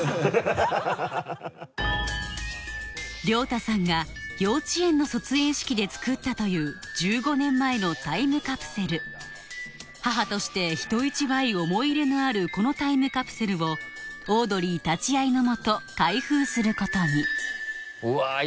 亮太さんが幼稚園の卒園式で作ったという１５年前のタイムカプセル母として人一倍思い入れのあるこのタイムカプセルをオードリー立ち会いのもと開封することにうわっ！